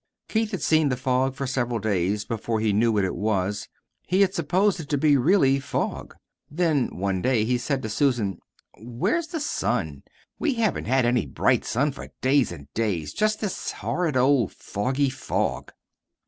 Keith had seen the fog for several days before he knew what it was. He had supposed it to be really fog. Then one day he said to Susan: "Where's the sun? We haven't had any BRIGHT sun for days and days just this horrid old foggy fog."